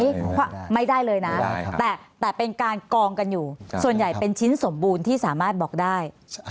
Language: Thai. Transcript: เพราะไม่ได้เลยนะแต่เป็นการกองกันอยู่ส่วนใหญ่เป็นชิ้นสมบูรณ์ที่สามารถบอกได้